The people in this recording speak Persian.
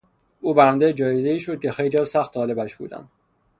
او برندهی جایزهای شد که خیلیها سخت طالبش بودند.